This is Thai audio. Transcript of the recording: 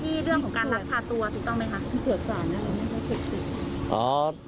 ที่เถือดศาลนั้นก็เฉย